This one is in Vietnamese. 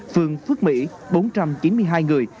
phường phước mỹ bốn trăm chín mươi hai người